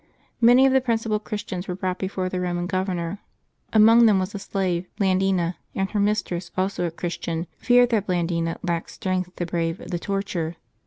Many of the principal Christians were brought before the Eoman governor. Among them was a slave, Blandina : and her mistress, also a Christian, feared that Blandina lacked strength to brave the torture.